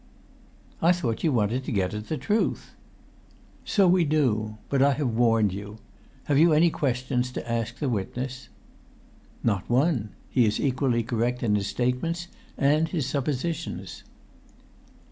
"I thought you wanted to get at the truth?" "So we do. But I have warned you. Have you any questions to ask the witness?" "Not one; he is equally correct in his statements and his suppositions."